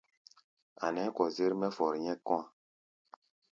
A̧ nɛɛ́ kɔzér mɛ́ fɔr nyɛ́k kɔ̧́-a̧.